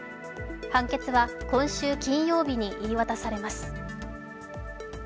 判決は今週金曜日に言い渡されます。